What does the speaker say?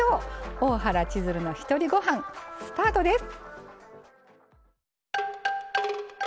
「大原千鶴のひとりごはん」スタートです。